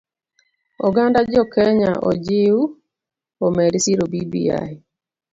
Oganda jokenya ojiw omed siro bbi.